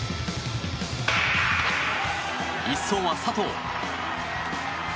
１走は佐藤。